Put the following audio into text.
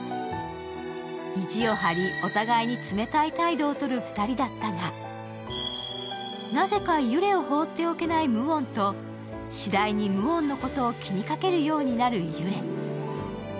意地を張り、お互いに冷たい態度をとる２人だったがなぜかユレを放っておけないムウォンとしだいにムウォンのことを気にかけるようになるユレ。